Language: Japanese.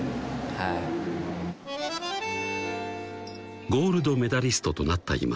はいゴールドメダリストとなった